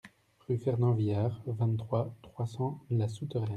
Rue Fernand Villard, vingt-trois, trois cents La Souterraine